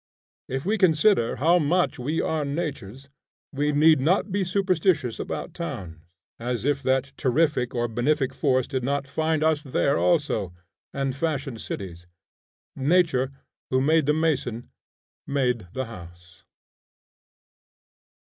If we consider how much we are nature's, we need not be superstitious about towns, as if that terrific or benefic force did not find us there also, and fashion cities. Nature, who made the mason, made the house.